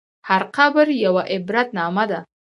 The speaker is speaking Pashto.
هر قبر یوه عبرتنامه ده.